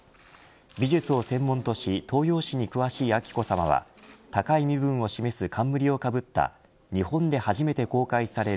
美術を専門とし東洋史に詳しい彬子さまは高い身分を示す冠をかぶった日本で初めて公開される